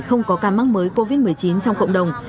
không có ca mắc mới covid một mươi chín trong cộng đồng